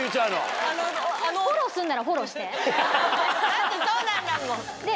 だってそうなんだもん。